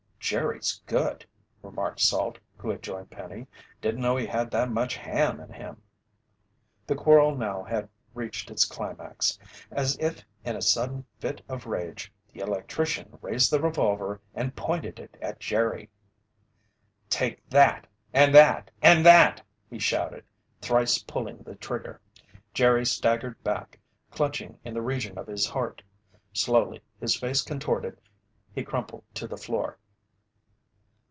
"Jerry's good," remarked Salt, who had joined Penny. "Didn't know he had that much ham in him!" The quarrel now had reached its climax. As if in a sudden fit of rage, the electrician raised the revolver and pointed it at Jerry. "Take that and that and that!" he shouted, thrice pulling the trigger. Jerry staggered back, clutching in the region of his heart. Slowly, his face contorted, he crumpled to the floor.